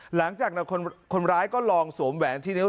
หลังจากนั้นคนร้ายก็ลองสวมแหวนที่นิ้ว